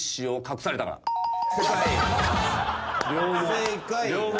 正解。